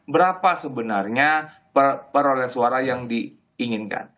berapa sebenarnya perolehan suara yang diinginkan